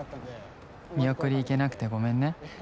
見送り行けなくてごめんね。